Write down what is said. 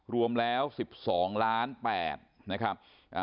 รวมแล้ว๑๒ล้าน๘นะครับ